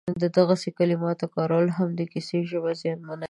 د دغسې کلماتو کارول هم د کیسې ژبه زیانمنوي